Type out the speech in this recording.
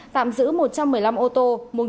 tạm giữ một trăm một mươi năm ô tô